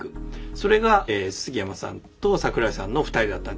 それが杉山さんと桜井さんの２人だった。